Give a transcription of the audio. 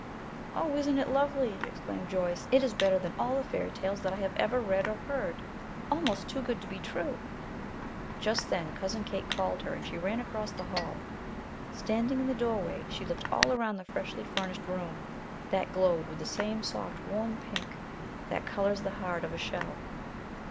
"Oh, isn't it lovely!" exclaimed Joyce. "It is better than all the fairy tales that I have ever read or heard, almost too good to be true!" Just then Cousin Kate called her, and she ran across the hall. Standing in the doorway, she looked all around the freshly furnished room, that glowed with the same soft, warm pink that colors the heart of a shell.